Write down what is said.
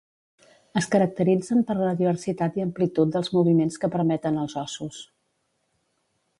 Es caracteritzen per la diversitat i amplitud dels moviments que permeten als ossos.